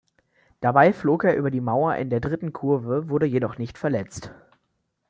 Dabei flog er über die Mauer in der dritten Kurve, wurde jedoch nicht verletzt.